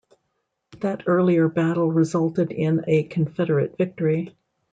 That earlier battle resulted in a Confederate victory.